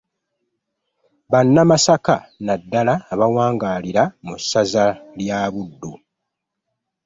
Bannamasaka naddala abawangaalira mu ssaza lya Buddu.